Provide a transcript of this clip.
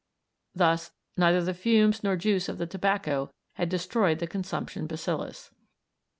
Thus neither the fumes nor juice of the tobacco had destroyed the consumption bacillus.